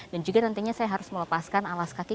dan juga nantinya saya harus melepaskan alas kaki